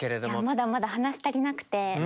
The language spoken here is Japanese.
まだまだ話し足りなくて。